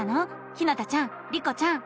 ひなたちゃんリコちゃん。